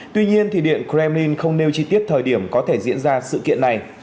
tuy nhiên điện kremlin không nêu chi tiết thời điểm có thể diễn ra sự kiện này